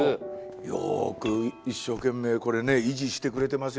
よく一生懸命これね維持してくれてますよね。